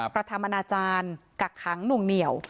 กระทำอนาจารย์กักขังหน่วงเหนียว